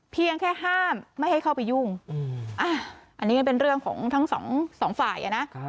เพียงแค่ห้ามไม่ให้เข้าไปยุ่งอันนี้เป็นเรื่องของทั้งสองฝ่ายนะ